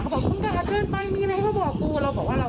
เขาบอกคุ้มกาเชิญไปมีอะไรให้พ่อบอกกูเราบอกว่าเรา